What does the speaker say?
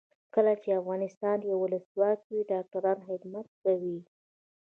کله چې افغانستان کې ولسواکي وي ډاکټران خدمت کوي.